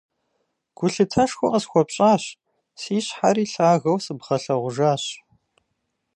Гулъытэшхуэ къысхуэпщӀащ, си щхьэри лъагэу сыбгъэлъэгъужащ.